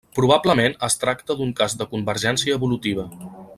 Probablement es tracta d'un cas de convergència evolutiva.